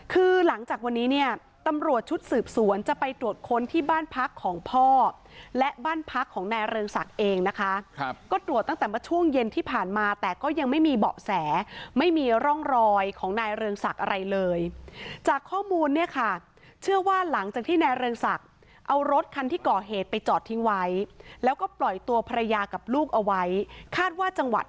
คือหลังจากวันนี้เนี่ยตำรวจชุดสืบสวนจะไปตรวจค้นที่บ้านพักของพ่อและบ้านพักของนายเรืองศักดิ์เองนะคะก็ตรวจตั้งแต่เมื่อช่วงเย็นที่ผ่านมาแต่ก็ยังไม่มีเบาะแสไม่มีร่องรอยของนายเรืองศักดิ์อะไรเลยจากข้อมูลเนี่ยค่ะเชื่อว่าหลังจากที่นายเรืองศักดิ์เอารถคันที่ก่อเหตุไปจอดทิ้งไว้แล้วก็ปล่อยตัวภรรยากับลูกเอาไว้คาดว่าจังหวัด